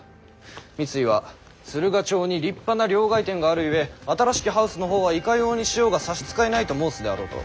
三井は駿河町に立派な両替店があるゆえ新しきハウスの方はいかようにしようが差し支えないと申すであろうと。